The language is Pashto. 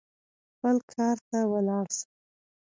خپل کار ته ولاړ سه.